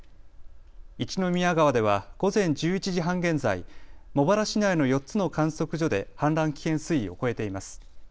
一宮川では午前１１時半現在、茂原市内の４つの観測所で氾濫危険水位を超えています。